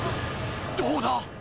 ・どうだ！？